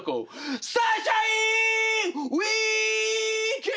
サンシャイン池！